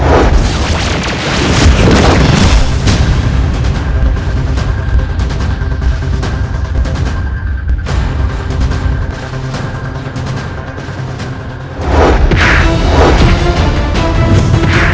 aku harus menggunakan ajem pabuk kasku